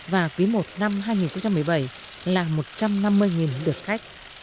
và quý i năm hai nghìn một mươi bảy là một trăm năm mươi lượt khách